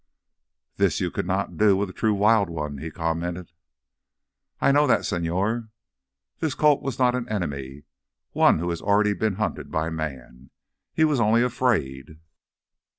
"This you could not do with a true wild one," he commented. "I know that, señor. This colt was not an enemy, one who has already been hunted by man. He was only afraid...."